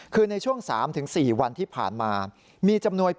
คือในช่วง๓๔วันที่ผ่านมา